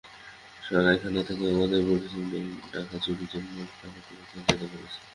সরাইখানা থেকে আমাদের বলেছে টাকা চুরির জন্য তারা তোমাকে যেতে বলেছে।